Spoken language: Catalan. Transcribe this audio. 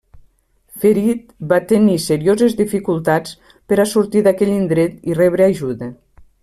Ferit, va tenir serioses dificultats per a sortir d'aquell indret i rebre ajuda.